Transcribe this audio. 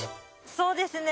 そうですね。